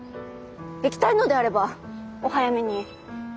行きたいのであればお早めにどうぞ。